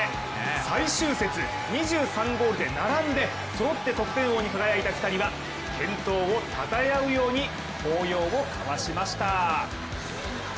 最終節、２３ゴールで並んでそろって得点王に輝いた２人は健闘をたたえ合うように抱擁を交わしました。